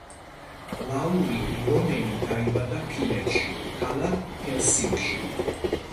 ლაური ილონენი დაიბადა ფინეთში, ქალაქ ჰელსინკიში.